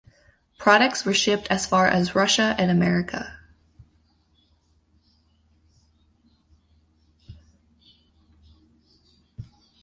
Products were shipped as far as Russia and America.